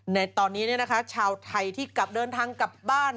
ในตอนนี้ชาวไทยที่กลับเดินทางกลับบ้าน